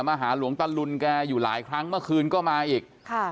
มาหาหลวงตะลุนแกอยู่หลายครั้งเมื่อคืนก็มาอีกค่ะ